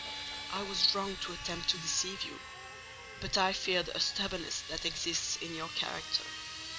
I was wrong to attempt to deceive you; but I feared a stubbornness that exists in your character.